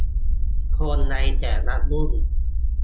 คนในแต่ละรุ่น